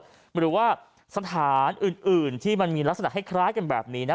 หรือว่าสถานอื่นที่มันมีลักษณะคล้ายกันแบบนี้นะ